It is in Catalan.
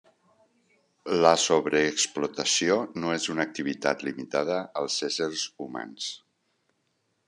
La sobreexplotació no és una activitat limitada als éssers humans.